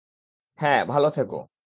হ্যাঁ, ভালো থেকো।